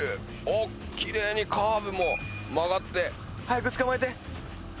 おっキレイにカーブも曲がって早く捕まえて！